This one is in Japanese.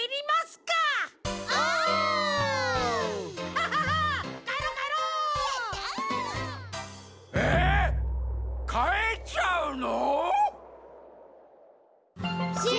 かえっちゃうの！？